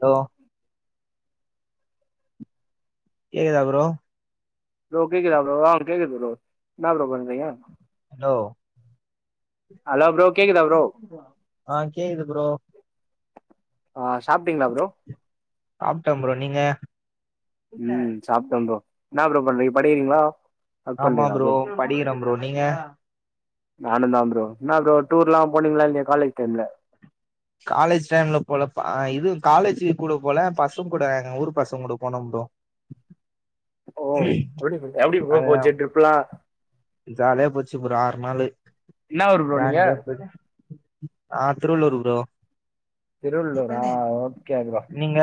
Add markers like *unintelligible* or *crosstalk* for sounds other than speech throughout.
Hello கேக்குதா bro bro கேக்குதா bro ஆ கேக்குது ப்ரோ என்ன ப்ரோ பண்றீங்க ஹலோ ஹலோ ப்ரோ கேக்குதா ப்ரோ ஆ கேக்குது ப்ரோ அ சாப்பிடீங்களா ப்ரோ சாப்பிட்டே ப்ரோ நீங்க ம் சாப்பிட்டே ப்ரோ ன்னா ப்ரோ பண்றீங்க படிக்கிறீங்களா ஒர்க் ஆமா பண்றீங்களா ப்ரோ படிக்கிறே ப்ரோ நீங்க நானு தா ப்ரோ ன்னா ப்ரோ டூலா போனீங்களா இல்ல காலேஜ் டைம்ல காலேஜ் டைம்ல போல இது காலேஜ் கூட போல பசங்க கூட எங்க ஊர் பசங்க கூட போனே ப்ரோ ஓ எப்டி போச்சி எப்டி ப்ரோ அதுதா பேச்சி ட்ரிப்லா ஜாலியா போச்சி ப்ரோ ஆற் நாலு என்னா ஊரு ப்ரோ நீங்க வோன்லயே போயிட்சு ஆ திருவள்ளூர் ப்ரோ திருவள்ளூரா ஆ ஓகேங்கோ நீங்க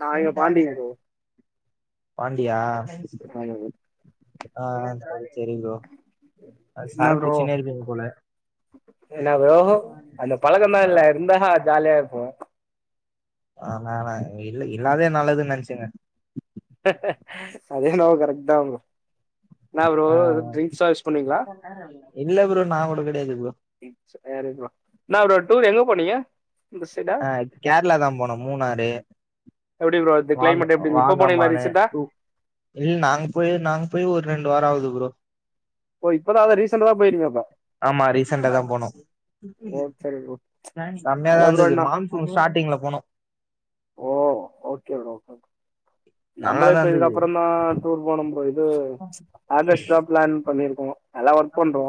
நா இங்க பாண்டிங் ப்ரோ பாண்டியா அ ஆ செரி சேரிங் ப்ரோ சரக்கு குச்சிக்கினே இருப்பீங்க போல என்ன ப்ரோ அந்த பழகதா ஆ இல்ல இருந்தா ஜாலியா இருப்பே ஆ மேடோம் இல்ல இல்லாதே நல்லதுன்னு நென்ச்சிங்கோ அதே என்னமோ கரெக்ட் தா ப்ரோ என்ன ப்ரோ ஆ வெரூம் ட்ரிங்க்ஸா யூஸ் பண்ணுவீங்களா இல்ல ப்ரோ நா மட்டூ கெடயாது ப்ரோ ம் ஸ்ஸு போர் இருக்கலா ன்னா ப்ரோ டூர் எங்க போனீங்க இந்த சைடா ஆ கேரளா தா போனோ மூணாறு எப்டி ப்ரோ இந்த வாங்க கிளைமேட் எப்டி இப்ப போனீங்களா வாங்கமானு ரீசெண்டா டூ இல் நாங்க போய் நாங்க போய் ஒரு ரெண்டு வாரெ ஆகுது ப்ரோ ஓ இப்பதா அதா ரீசண்டா தா போய் இருக்கீங்க அப்போ ஆமா ரீசெண்டா தா போனோ ஓ சரி ப்ரோ செம்மியாதா அதா ப்ரோ இருந்தது என்ன மான்சூன் ஸ்டார்டிங்ல போனோ ஓ ஓகே ப்ரோ நம்மளே நல்லாதா இப்ப இருந்தது இதுக்கப்புறே தா டூர் போனோ ப்ரோ இப் இது ஆகஸ்ட்டு தா பிளான் பண்ணிருக்கோ நல்லா ஒர்க் பண்றோ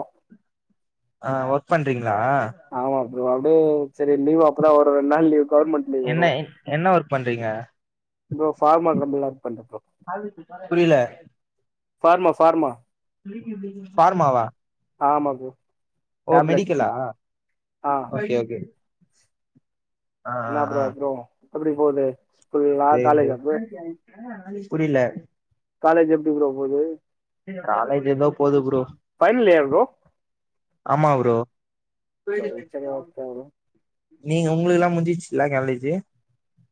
ஆ ஒர்க் பண்றீங்களா ஆமா ப்ரோ அப்டியே சேரி லீவ் அப்புனா ஒரு ரெண்டு நாள் லீவ் கவுர்மெண்ட் லீவ் என்ன வரு என்ன ஒர்க் பண்றீங்க இந்த ஃபார்மாக் வந்து லாக் பண்ட்ட ப்ரோ புரியல ஃபார்மா ஃபார்மா ஃபார்மாவா ஆமா ப்ரோ ஓ டேப்லெட் மெடிக்குலா ஆ ஓகே ஓகே ஆ ஆ என்ன ஆ ப்ரோ அப்றோ எப்புடி போது ஸ்கூல்லா என்து காலேஜா ப்ரோ புரில காலேஜ் எப்டி ப்ரோ போது காலேஜ் எதோ போது ப்ரோ ஃபைனல் இயர் ப்ரோ ஆமா ப்ரோ சரி சரி ஓகே ப்ரோ நீங்க உங்களுக்குலா முன்ஞ்சுச்சுல காலேஜு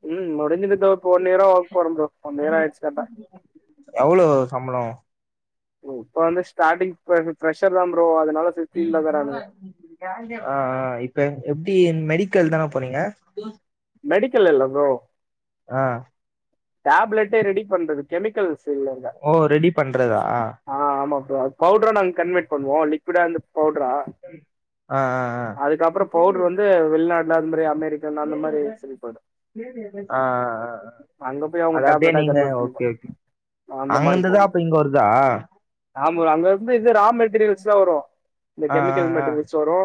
ம் முடிஞ்சிருக்கு இப்ப ஒன் நேரோ ஓர்க் போறன் ப்ரோ ஓன் இயர் ஆய்ச்சு கர்ட்டா எவுளோ சம்ளோ இப்ப வந்து ஸ்டாடிங் போறது பிரஷர்தான் ப்ரோ அதுனால ம் பவுட்ரா ஆக்குன் சொல்லி ஆ ஆ இப்ப எப்டி மெடிக்கல் தான போனீங்க மெடிக்கல் இல்ல ப்ரோ ஆ டேப்லெட்டே ரெடி பண்றது கெமிக்கல் ஃபீல்ல ஓ ரெடி பண்றதா ஆ ஆமா ப்ரோ பவ்ட்ரா நாங்க கன்வட் பண்ணுவோ லிக்யுடா இருந்து பவ்ட்ரா ஆ ஆ அதுக்கப்புறோ பவ்ட்ரு வந்து வெள்நாட்ல அதுமாரி அமெரிக்கால அந்த மாரி செஞ்சிர்ப்பாஙக் ஆ ஆ அங்க போய் அவங்க அது அப்டியே டேப்லெட்டா நீங்க கன்வெர்ட் ஓகே பண்ணிப்போம் ஓகே அங்கிர்ந்துதா அப்ப இங்க வருதா ஆம் ப்ரோ அங்கிர்ந்து இது ரா மெட் டிரியல்ஸ்லா வரு இந்த ஆ ஆ கெமிக்கல் ஆ மெட்டீரியல்ஸ் வரு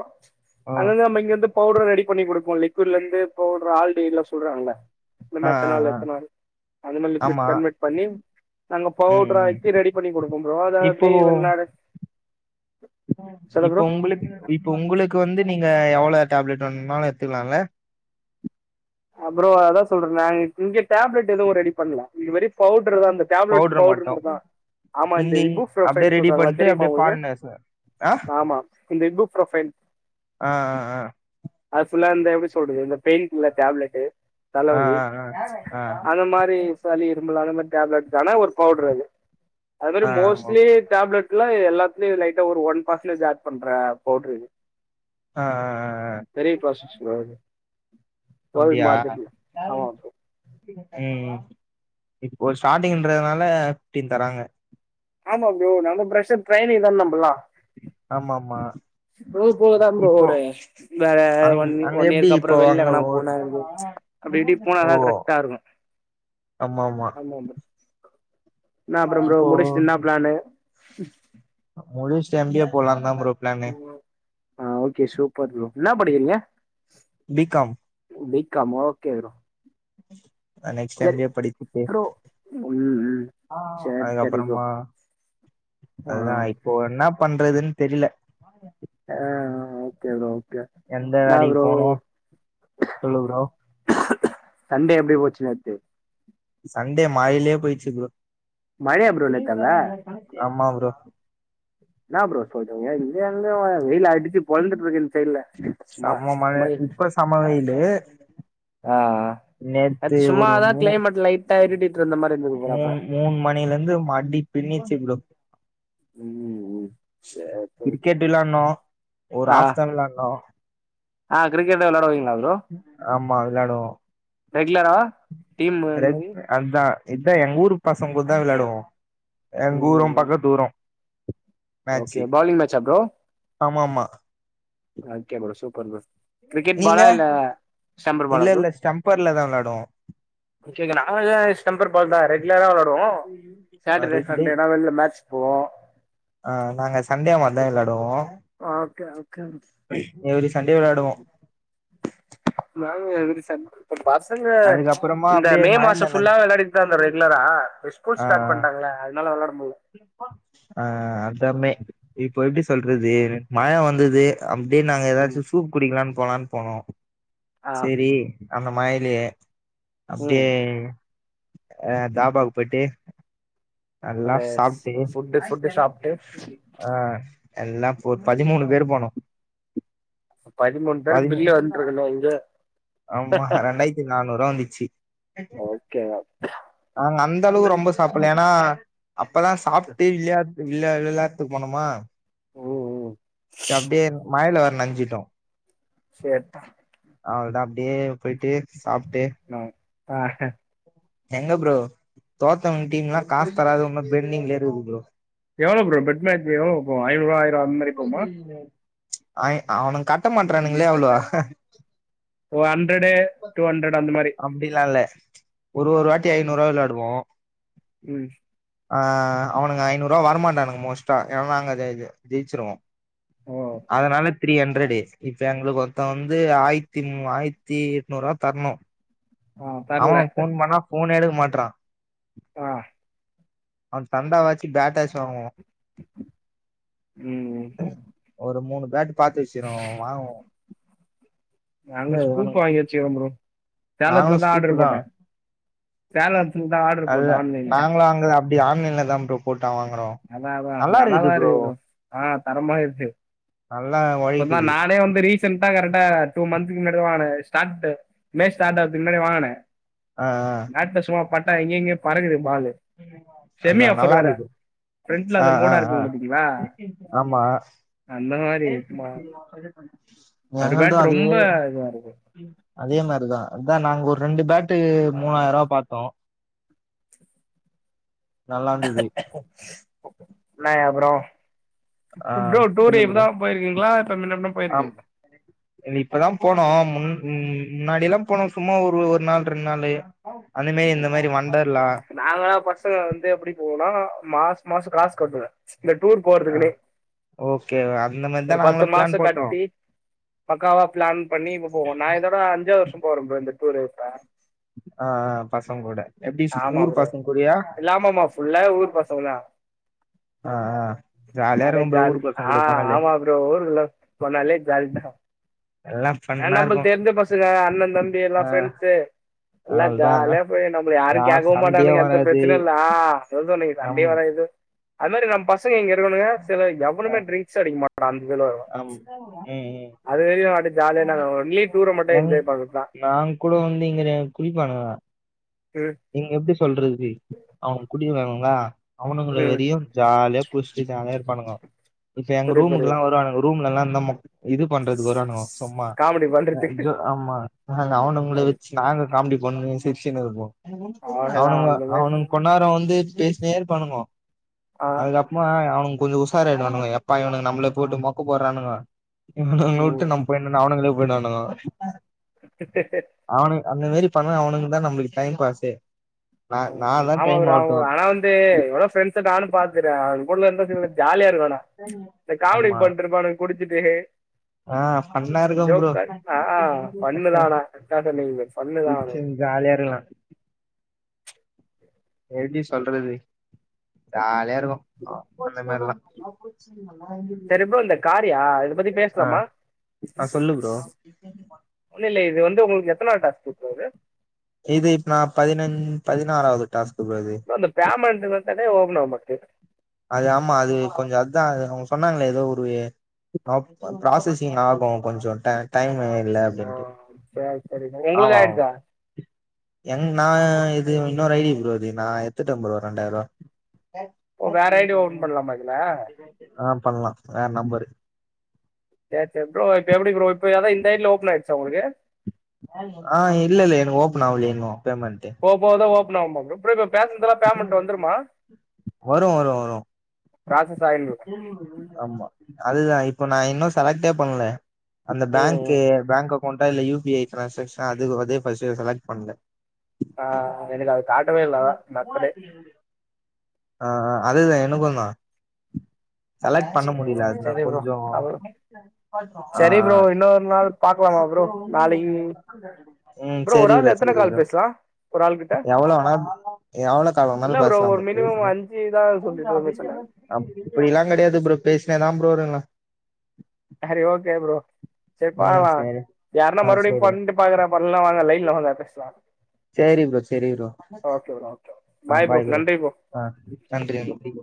ஓ அங்கர்ந்தா நம்ம இங்கர்ந்து பவுடர் ரெடி பண்ணி குடுப்போ லிக்யூட்ல இருந்து பவ்ட்ரு ஆல்ட்டு இதுலா சொல்றாங்கள இந்த ஆ ஆ மெத்தனால் ஆ எத்தனால் அந்தமாரி ஆமா லிக்விட் கன்வெட் பண்ணி நாங்க ம் ம் பவ்ட்ராக்கி ரெடி பண்ணி குடுப்போ ப்ரோ அத இப்போ அப்டி வெள்நாடு இப்போ உங்ளுக்கு இப்போ உங்ளுக் வந்து நீங்க எவுளோ டேப்லெட் வேணுன்னாலு எட்த்துக்குலால அ ப்ரோ அதா சொல்றன்ல இங்க டேப்லெட் எதுவு ரெடி பண்ல இது வெரி பவ்ட்ருதா அந்த டேப்லெட் பவுடர் பவ்ட்ரு மட்டு மட்டுந்தா ஆமா இந்த இங்க இது அப்டியே ஃப்ரொஃபைன் ரெடி சொல்றாங்கள பண்ட்டு தெரிமா அப்டியே உங்ளுக்கு ஃபாரினர்ஸ் ஆ ஆமா இந்த இது ஃப்ரொஃபைன் ஆ ஆ ஆ அது ஃபுல்லா இந்த எப்டி சொல்றது இந்த பெய்யிர்க்கும்ல டேப்லெட்டு ஆ ஆ தலவலி ஆ ஆ ஆ அந்த மாரி சளி இருமல் அந்த மாரி டேப்லேட்க்கான ஒரு பவ்ட்ரு அது அது மாரி ஆ மோஸ்ட்லி ஓகே டேப்லெட்ல எல்லாத்துலயு லைட்டா ஒரு ஒன் பர்சன்டேஜ் ஆட் பண்ற பவ்ட்ரு இது ஆ அ பெரிய ப்ராசஸ் ப்ரோ அது பிரவேட் அப்டியா மார்க்கெட்ல ஆமா ப்ரோ ம் இப்போ ஸ்டாட்டிங்கின்றதுனால ஃபிப்டின் தராங்க ஆமா ப்ரோ நா வந்து ஃபிரஷர் ட்ரைனிங்ள தான இருந்தே ஃபுல்லா ஆமாம்மா போக தான் ப்ரோ இப்போ ஒரு வேற அங் ஒன் அங்க ஒன் எப்டி இயர்க்கு இப்போ அப்புறம் வெளில அங்க எங்கனா ஒர் போனா இருக்கு அப்படி இப்படி ஓ போனாதான் கரெக்டா இருக்கும் ஆமாம்மா ஆமா ப்ரோ என்ன அப்புறம் ப்ரோ இப்போ முடிச்சுட்டு என்ன பிளானு முடிச்சிட்டு எம் பி ஏ போலான்தான் ப்ரோ பிளானு ஆ ஓகே சூப்பர் ப்ரோ என்னா படிக்கறீங்க? பி காம் பி காமா ஓகே ப்ரோ அ நெக்ஸ்ட் எம் சரி பி ஏ யே படிச்சிட்டு ப்ரோ ம் ம் ஆ சரி சரி ப்ரோ அதுக்கப்பறமா ஆ அதான் இப்போ என்னா பண்றதுன்னு தெரில அ ஓகே ப்ரோ ஓகே எந்த என்ன வேலைக்கு ப்ரோ போனு சொல்லு ப்ரோ? சண்டே எப்டி போச்சு நேத்து? சண்டே மழையிலே போயிருச்சு ப்ரோ மழையா ப்ரோ நேத்து அங்க ஆமா ப்ரோ என்னா ப்ரோ சொல்றீங்க இங்க எங்க மழ வெயில் அடிச்சு பொளந்துட்ருக்கு இந்த சைடுல தெர்ல செம்ம ஸ்மார்ட் மழ மைல் இப்ப செம வெயிலூ ஆ நேத்து சும்மாதான் மூ கிளைமேட் லைட்டா இருடிட்டு இருந்த மாரி இ மூணு மூணு மணிலிந்து அடி பின்னிருச்சு ப்ரோ ம் ம் சேர் சேரி கிரிக்கெட் வெளாடினோ ஒரு ஆ ஆஃப்தான் வெளாடினோ ஆ கிரிக்கெட் வெளாடுவீங்களா ப்ரோ ஆமா வெளாடுவோ ரெகுலரா டீம் அந்த மாரி ரெண்டற அதான் இதே எங்க ஊரு பசங்க கூடதான் வெளாடுவோ எங்க ம் ஊரும் ம் பக்கத்தூரும் ஓகே பாலிங் மேட்சா ப்ரோ ஆமாமா okay bro super bro cricket நீங்க பாலா இல்ல ஸ்டெம்பர் பாலா இல்ல ப்ரோ இல்ல ஸ்டம்பர்லதா விளாடுவோ மிச்ச இந்த நாகாஸ் டெம்பர் பால்தான் ரெகுலரா வெளாடுவோ சாட்டர்டே ரெட் டே சண்டேனா வெள்ல மேட்ச் போவோ ஆ நாங்க சண்டே மாரிதான் வெளாடுவோ ஓகே ஓகேன்ஸ் எவரி சண்டே வெளாடுவோ நாங்க எவ்ரி சண்டே பட் பசங்க அதுக்கப்புறமா இந்த அப்டியே மே மழ மாசோ நனஞ் ஃபுல்லா வெளாடி ந்தோ ரெகுலரா ஸ்கூல் ஆ ஸ்டார்ட் பண்டாங்கல்ல அதனால வெளாட முடில ஆ அதமே இப்போ எப்டி சொல்றது மழ வந்துது அப்டியே நாங்க எதாச்சு ம் சூப் குடிக்கலான்னு போலான்னு போனோ ஆ சரி அந்த மழைலே அப்டே ம் அ தாபாக்கு போய்ட்டு நல்லா ஒரு சாப்ட்டு ஃபுட்டு ஃபுட்டு சாப்ட்டு ஆ எல்லா ஒரு பதிமூணு பேரு போனோ பதிமூணு பேரு பதிமு பில்லு வந்துருக்குண்ணா இங்க ஆமா ரெண்டாய்த் நானூறுவா வந்துச்சு ஓகே நாங்க அந்த அளவு ரொம்ப சாப்பல்ல ம் ஆ அப்பதா சாப்ட்டு விளாட் விளையாட்த்துக்கு போனமா ம் அப்டே மழைல வேற நன்ஞ்சிட்டோ சேர் தா அவ்ள்தா அப்டே போய்ட்டு சாப்ட்டு ம் எங்க ப்ரோ தோத்தவன் டீம்லா காசு தராது உன்னு பென்டிங்லே இருக்குது ப்ரோ எவளோ ப்ரோ பெட் மேட்ச்சு எவளோ வப்போ ஐநூறுவா ஆயிர அந்த மாரி போகுமா ஐ அவனுங்க கட்ட மாட்டறானுங்களே அவளோ ஓ ஹண்ட்ரடு டூ ஹண்ட்ரட் அந்த மாரி ப்டிலா இல்ல ஒரு ஒரு வாட்டி ம் ஐநூறுவா வெளாடுவோ ம் ஆ அவனுங்க ஐநூறுவா வர மாட்டானுங்க மோஸ்ட்டா ஏனா நாங்க அத அத ஜெய்ச்சுருவோ ஓ அதனால இப் த்ரீ ஹண்ட்ரடு இப்ப எங்களுக்கு ஒர்த்த வந்து ஆயித்தி மூ ஆயித்தி எட்நூறுவா தர்ணு ஆ அவ தெர்ல ஃபோன் பண்ணா ஃபோனே எடுக்க மாட்றா ஆ அவன் தந்தாவாச்சு பேட்டாச்சு வாங்குவோ ம் ஒரு முணு பேட்டு பாத்து வெச்சிறோ வாங்குகோ போய் வாங்கவெச்சு சேமா சேலத்ல தா ஆர்ட்ரு போட்டே சேலத்தில் தா ஆர்ட்ரு போட்டே அதுதா ஆன்லைன்ல நாங்களு அங்க அப்டி ஆன்லைன்ல தா ப்ரோ போட்டா வாங்குறோ அதா அதா நல்லா இருக்குது நல்லாதா இருக்கு ப்ரோ ஆ தரமா இருக்கு நல்லா ஒரு நா ஒழைக்குது நானே வந்து ரீ செண்ட்டா கரெக்டா டூ மந்த்துக்கு முன்னாடி தா வாங்குனே ஸ்டார்டு மே ஸ்டார்ட் ஆகறதுக்கு முன்னாடி வாங்குனே ஆ ஆ பேட்ல சும்மா பட்டா எங்க எங்கயோ பறக்குது பாலு அதா நல்லா இருக்குது ஃப்ரண்ட்ல ஆ அந்த ஆ மோடா ஆ இருக்கும் பாத்தீங்களா ஆமா அந்த மார் ஒரு எங்கள்து பேட் அதே ரொம்ப இதுவா இருக்கும் அதே மாரிதா அதா நாங்க ஒரு ரெண்டு பேட்டு ஆ, மூவாயிரூவா பாத்தோ நல்லாருந்தது இன்ன அப்பறோ ஆ டு ப்ரோ டூரு சொல்லு இப்பதா போயிருக்கீங்ளா இல்ல மின்னாடிலா போயிருக்கீங்ளா தனக்கு இது இப்பதா போனோ முன் ம் முன்னாடிலா போனோ சும்மா ஒரு ஒரு நாள் ரெண்டு நாளு அந்த மாரி இந்த மாரி வண்டர்லா நாங்களா பசங்க வந்து எப்டி போவோனா மாச மாச காசு கட்டுவே இந்த டூர் போறதுக்குனே ஓகே அந்த மாரிதா ஒரு பத்து நாங்களு பிளான் மாச போட்டோ கட்டி பக்காவா பிளான் பண்ணி இப்ப போவோ நா இதோட அஞ்சாவ்து வர்ஷ போறே ப்ரோ இந்த டூரு இப்ப ஆ ஆ பசங்க்கூட எப்டி சி ஆமா ஊரு ப்ரோ பசங்க கூடயா இல்லாமமா ஃபுல்லா ஊர் பசங்கதா ஆ ஆ ஜாலியா அடே இருக்கு ப்ரோ ஊரு ஜாலி பசங்க ஆ கூட போன் ஆமா ப்ரோ ஊருக்குள்ள போனாலே ஜாலி தா எல்லா ஆ ஃபன்னா இருக்கு நம்மளுக்கு தெரிஞ்ச பசங்க அண்ணந்தம்பி எல்லா ஆ ஃப்ரெண்ட்ஸு எல்லா அவ்ளதா ஜாலியா போய் நம்மள யாரு யார் கேக்கவு சண்டையே மாட்டானுங்க எந்த வராது பிரச்சனையு இல்ல ஆ சொன்னீங்க நம் தண்டி வர இது அது மாரி நம் பசங்க இங்க இருக்கானுக சில ஆ எவனுமே ட்ரிங்க்ஸே அடிக்கமாட் ஒரு அஞ்சு கிலோ வரு அது வரையு அடக் நங் நாங் கூட வந்து இங்க குளிப்பாங்களா ம் நீங்க எப்டி சொல்றது அவங்க குடிபாங்ளா அவனுங்கள ம் வெரியும் ஜாலியா குட்சுட்டு ஜாலியா இருபானுங்க இப்ப எங்க புரியுது ரூமுக்கு எல்லா புரியுது வருவானுங்க ரூம்லல்லா இந்தமோ இது பண்றதுக் வருவானுங்கோ சும்மா காமெடி பண்றதுக்கு ஆமா அவனுங்கள ம் வச்சு நாங்க காமெடி பண்ணி சிரிச்சுன்னு இருப்போ அவ்ளதா அவனுங்க அந்த மாரி அவனுங் கோன்னார வந்து பேசினே இருப்பானுகோ ஆ அதுக்கப் மா அவனுங் கொஞ்சோ உசாராயிடுவானுங்க எப்பா இவனுக்க நம்ள போட்டு மொக்க போட்றானுக இவனுங்கள ம் விட்டு நம் போய்னு அவனுங்களே போய்டுவானுங்கோ *unintelligible* அவனு அந்த மாரி பண்ணா அவனுங்க தா நம்மளுக்கு டைம் பாஸு நா நா அதா டைம் ஆவட்டு தே எவ்ள ஃப்ரெண்ஸ நானு பாக்கற அவங்க கூடலா இருந்தா வச்சுங்கள ஜாலியா இருக்கு ஆனா இந்த காமெடி ஆமா பண்ட்ருப்பானுக குடிச்சுட்டு ஆ ஃபன்னா இருக்கும் ப்ரோ ஜோக்கா ஆ ஃபண்ணுதா ஆனா *unintelligible* ஃபண்ணுதா அது சிரிச்சுன் ஜாலியா இருக்லா எப்டி சொல்றது ஜாலியா இருக்கு அந்த மாரில்லா *unintelligible* சரி ப்ரோ இந்த காரியா இத பத்தி ஆ பேசலாமா ஆ சொல்லு ப்ரோ இல்ல இல்ல இது வந்து உங்களுக்கு எத்தனாவது டாஸ்க்கு இப்போ இது இது இப்ப நா பதினஞ் பதினாறாவது டாஸ்க் ப்ரோ இந்த பமெண்ட் வந்தாலே ஓப்பன் ஆவ மாட்டுது அது ஆமா அது கொஞ்ச அத்தா அவங்க சொன்னாங்களே ஏதோ ஒரு அப் ப்ராசஸிங் ஆகு கொஞ்சோ ட டைம் இல்ல ஆ அப்டின்ட்டு சரி சரி ப்ரோ உங்களுக்கு ஆமாமா ஆயிடுச்சா எங் நா இது இன்னொரு ஐ டி ப்ரோ இது நா எத்துட்ட ப்ரோ ரெண்டாயிரூவா ஓ வேற ஐ டி ஓபன் பண்லாமா இதுல ஆ பண்லா வேற நம்பரு சேர் சேர் ப்ரோ இப்ப எப்டி ப்ரோ இப்ப அதா இந்த ஐடில ஓப்பன் ஆய்டுச்சா உங்களுக்கு ஆ இல்ல இல்ல எனக்கு ஓப்பன் ஆவலயே இன்னு பேமெண்ட்டு போவ போவதா ஓப்பன் ஆவுமா ப்ரோ ப்ரோ நா பேசுனதுலா பேமெணட் வந்துருமா வரு வரு வரு ப்ராசஸ் ஆய்லு ஆமா அதுதா இப்ப நா இன்னு செலக்டே பண்ல அந்த ம் பேங்க்கு ம் பேங்க் அக்கௌண்டா இல்ல யூ பி ஐ டிரான்ஸாக்ஷா அது அதே ஃபஸ்ட்டு செலெக்ட் பண்ணுங்க ஆ எனக்கு அது காட்டவே இல்ல மக்கடி ஆ ஆ அதுதா எனக்குந்தா செலெக்ட் பண்ண சரி முடில அதுனா சரி ப்ரோ கொஞ்சோ அப்புறம் ஆ ஆ சரி ப்ரோ இன்னொரு நாள் பாக்கலாமா ப்ரோ நாளைக்கு ம் ப்ரோ ஒரு ஆள் எத்தன கால் பேசலா எவ்ள வேனா எவ்ள கால் இல்ல வேணாலு பேசலா ஒரு ப்ரோ மினிமம் அஞ்சு தா சொல்லிட்டு ப்ரச்சன அப்டில்லாம் கிடையாது ப்ரோ பேசிங்னோ தா ப்ரோ இருக்ரோ சரி ஓகே ப்ரோ சரி ம் பாக்லா சேரி யாருன்னா ஆ மறுபடியூ சேரி பண்ணிட்டு பாக்குறேன்ப்பா இல்லனா வாங்க லைன்ல வாங்க பேசலா சரி ப்ரோ சரி ப்ரோ ஆ பாய் ப்ரோ ஆ நன்றிங்